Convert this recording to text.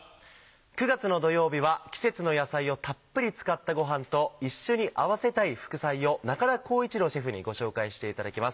９月の土曜日は季節の野菜をたっぷり使ったごはんと一緒に合わせたい副菜を中田耕一郎シェフにご紹介していただきます。